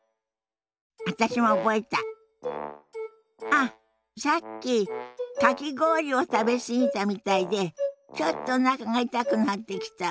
あっさっきかき氷を食べ過ぎたみたいでちょっとおなかが痛くなってきたわ。